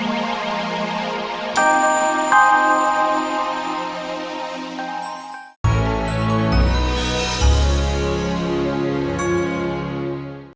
kau tidak bisa mengalahkannya